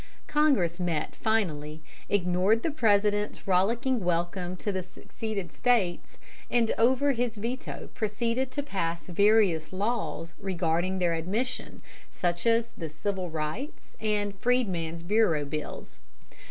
Congress met finally, ignored the President's rollicking welcome to the seceded States, and over his veto proceeded to pass various laws regarding their admission, such as the Civil Rights and Freedman's Bureau Bills.